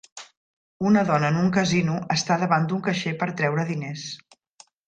Una dona en un casino està davant d'un caixer per treure diners